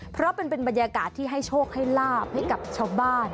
เพราะเป็นบรรยากาศที่ให้โชคให้ลาบให้กับชาวบ้าน